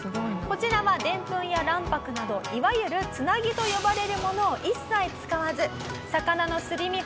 こちらはでんぷんや卵白などいわゆるつなぎと呼ばれるものを一切使わず魚のすり身